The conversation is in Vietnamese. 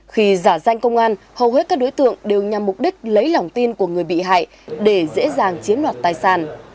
khi giả danh công an hầu hết các đối tượng đều nhằm mục đích lấy lòng tin của người bị hại để dễ dàng chiếm đoạt tài sản